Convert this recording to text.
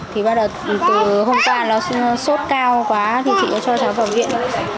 thì bắt đầu từ hôm qua nó sốt cao quá thì chị mới cho cháu vào viện